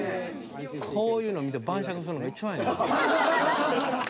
こういうの見て晩酌するのが一番ええねん。